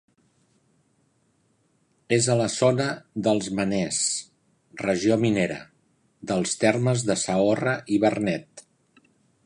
És a la zona dels Meners, regió minera, dels termes de Saorra i Vernet.